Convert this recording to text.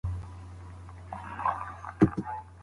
ایا موږ ډېر اتڼ وړاندي کړ؟